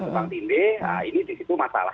tumpang tindih nah ini di situ masalah